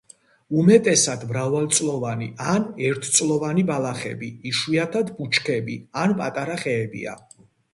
უმეტესად მრავალწლოვანი ან ერთწლოვანი ბალახები, იშვიათად ბუჩქები ან პატარა ხეებია.